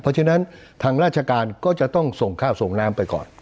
เพราะฉะนั้นทางราชการก็จะต้องส่งข้าวส่งน้ำไปก่อน